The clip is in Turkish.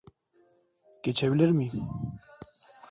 Geçebilir miyim?